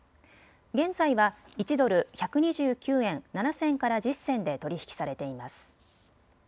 現在は１ドル１２９円７銭から１０銭で取り引きされています。